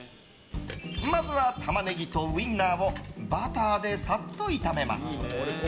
まずは、タマネギとウィンナーをバターでサッと炒めます。